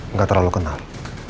enggak terlalu kenal